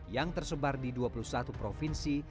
yang tersebar di dua puluh satu provinsi